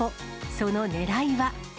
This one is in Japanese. そのねらいは。